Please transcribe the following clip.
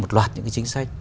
một loạt những cái chính sách